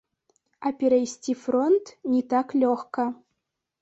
А перайсці фронт не так лёгка.